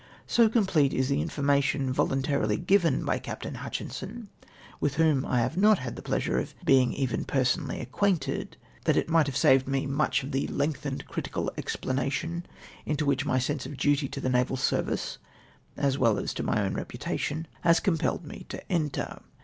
So complete is the information voluntarily given by Capt. Hutchinson, wdth whom I have not the pleasure of being even personally acquainted, that it might have saved me nnich of the lengthened critical explanation into wdiich my sense of duty to the naval service, as well as to my own reputation, has compelled me to enter.